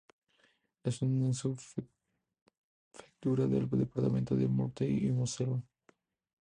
Es una subprefectura del departamento de Meurthe y Mosela.